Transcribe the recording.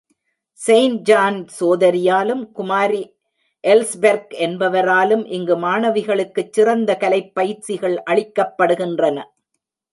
Saint John சோதரியாலும், குமாரி Elsberg என்பவராலும் இங்கு மாணவிகளுக்குச் சிறந்த கலைப் பயிற்சிகள் அளிக்கப்படுகின்றன.